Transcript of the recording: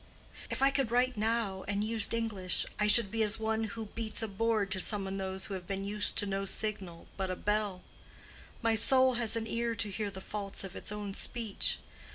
If I could write now and used English, I should be as one who beats a board to summon those who have been used to no signal but a bell. My soul has an ear to hear the faults of its own speech.